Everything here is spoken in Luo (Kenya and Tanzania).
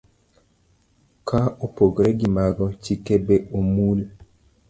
Ka opogore gi mago, chike be omul.